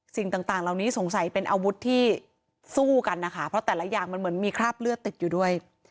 สิ่งต่างเหล่านี้สงสัยเป็นอาวุธที่สู้กันนะคะเพราะแต่ละอย่างมันเหมือนมีคราบเลือดติดอยู่ด้วย